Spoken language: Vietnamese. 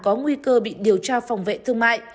có nguy cơ bị điều tra phòng vệ thương mại